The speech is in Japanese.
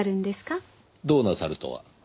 どうなさるとは？